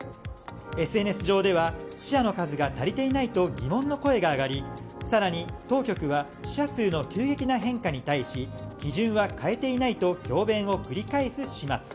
ＳＮＳ上では死者の数が足りていないと疑問の声が上がり更に当局は死者数の急激な変化に対し基準は変えていないと強弁を繰り返す始末。